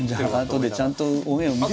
あとでちゃんとオンエアを見てくれ。